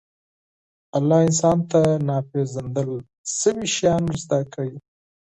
الله انسان ته ناپېژندل شوي شیان ورزده کوي.